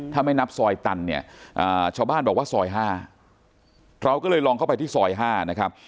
ถ้าไม่นับซอยตันเนี่ยชาวบ้านบอกว่าซอย๕เราก็เลยลองเข้าไปที่ซอย๕นะครับ